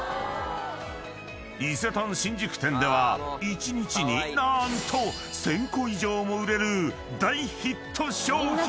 ［伊勢丹新宿店では一日に何と１，０００個以上も売れる大ヒット商品！］